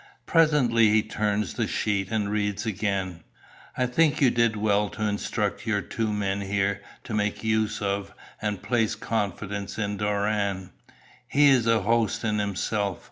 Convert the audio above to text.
Presently he turns the sheet and reads again: "I think you did well to instruct your two men here to make use of, and place confidence in Doran. He's a host in himself.